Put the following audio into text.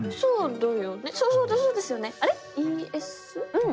うん。